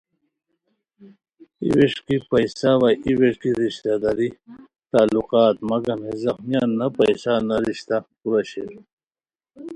ای ویݰکی پیسہ وا ای ویݰکی رشتہ داری تعلقات، مگم ہے زخمیان نہ پیسہ نہ رشتہ کورا شیر